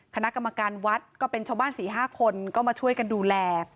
คณะกรรมการวัดก็เป็นชาวบ้าน๔๕คนก็มาช่วยกันดูแล